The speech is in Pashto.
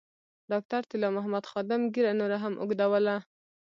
ډاکټر طلا محمد خادم ږیره نوره هم اوږدوله.